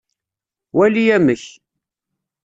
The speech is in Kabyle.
Wali amek.